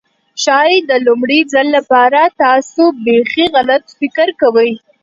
ښايي د لومړي ځل لپاره تاسو بيخي غلط فکر کوئ.